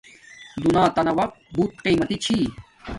دنیاتانہ وقت بوت قیمتی چھی